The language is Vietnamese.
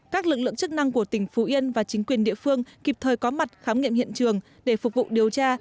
các lực lượng chức năng của tỉnh phú yên và chính quyền địa phương kịp thời có mặt khám nghiệm hiện trường để phục vụ điều tra